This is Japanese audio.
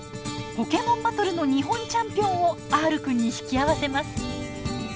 ポケモンバトルの日本チャンピオンをＲくんに引き合わせます。